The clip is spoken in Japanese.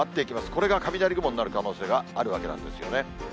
これが雷雲になる可能性があるわけなんですよね。